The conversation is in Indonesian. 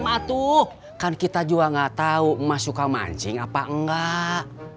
sama atuh kan kita juga gak tau mas suka mancing apa enggak